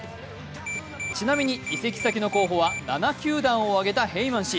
ちなみに移籍先の候補は、７球団を挙げたヘイマン氏。